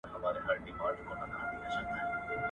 د ګودرونو د چینار سیوری مي زړه تخنوي `